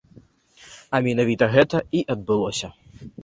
А менавіта гэта і адбылося.